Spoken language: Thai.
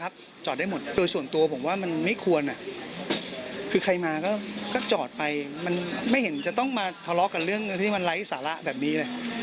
แบบอีแบบอีแบบอี